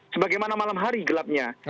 sebagaimana malam hari gelapnya